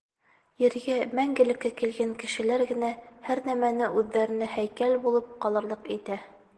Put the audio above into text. Ергә мәңгелеккә килгән кешеләр генә һәр нәмәне үҙҙәренә һәйкәл булып ҡалырлыҡ итә.